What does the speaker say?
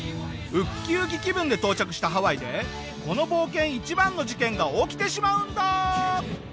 ウッキウキ気分で到着したハワイでこの冒険一番の事件が起きてしまうんだ！